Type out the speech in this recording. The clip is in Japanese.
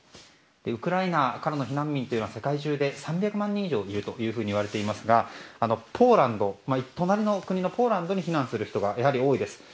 ウクライナからの避難民は世界中で３００万人以上いるといわれていますが隣の国のポーランドに避難する人がやはり多いです。